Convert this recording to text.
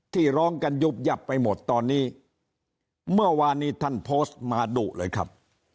ที่ร้องกันยุบยับไปหมดตอนนี้เมื่อวานนี้ท่านโพสต์มาดุเลยครับ